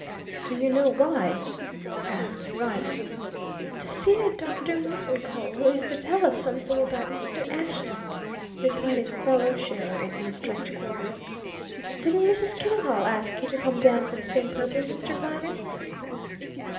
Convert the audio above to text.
"Do you know why?" asked Viner. "To see a Dr. Martincole, who is to tell us something about Mr. Ashton," replied his fellow sharer in these strange quarters. "Didn't Mrs. Killenhall ask you to come down for the same purpose, Mr. Viner?"